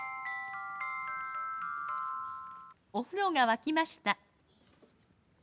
お風呂が沸きました。